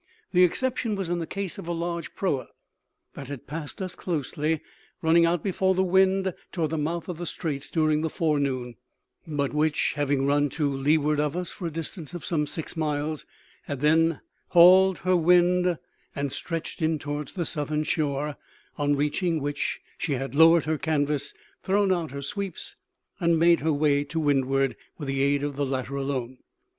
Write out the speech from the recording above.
The exception was in the case of a large proa that had passed us closely, running out before the wind toward the mouth of the straits during the forenoon, but which, having run to leeward of us for a distance of some six miles, had then hauled her wind and stretched in toward the southern shore, on reaching which she had lowered her canvas, thrown out her sweeps, and made her way to windward with the aid of the latter alone.